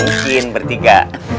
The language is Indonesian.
gak mungkin bertiga